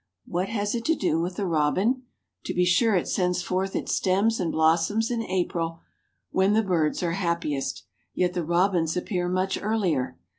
What has it to do with the robin? To be sure it sends forth its stems and blossoms in April when the birds are happiest, yet the robins appear much earlier.